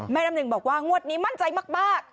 น้ำหนึ่งบอกว่างวดนี้มั่นใจมาก